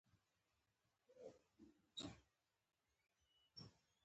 موږ د ډیورنډ کرښې رسمي کیدل نه غواړو